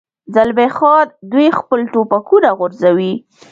زلمی خان: دوی خپل ټوپکونه غورځوي.